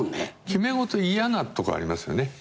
決めごと嫌なとこありますよね。